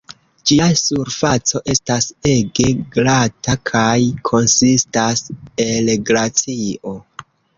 Ĝia surfaco estas ege glata kaj konsistas el glacio.